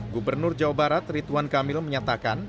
gubernur jawa barat rituan kamil menyatakan